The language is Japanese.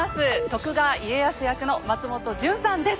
徳川家康役の松本潤さんです。